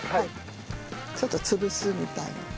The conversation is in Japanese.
ちょっと潰すみたいに。